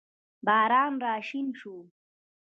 باران راشین شو